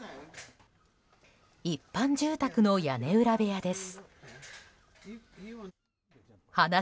一般住宅の屋根裏部屋です。